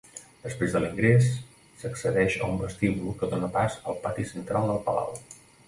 Després de l'ingrés s'accedeix a un vestíbul que dóna pas al pati central del palau.